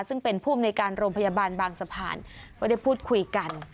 ซึ่งเป็นผู้อำนวยการโรงพยาบาลบางสะพานก็ได้พูดคุยกัน